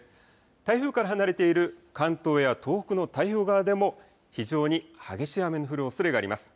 台風から離れている関東や東北の太平洋側でも非常に激しい雨の降るおそれがあります。